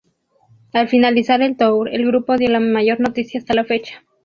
Al finalizar el tour, el grupo dio la mayor noticia hasta la fecha.